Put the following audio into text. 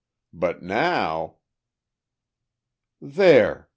But now...." "There!